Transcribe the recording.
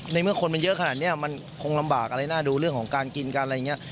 ในเมื่อคนมันเยอะขนาดนี้มันคงลำบากอะไรน่าดูเรื่องของการกินกันอะไรอย่างนี้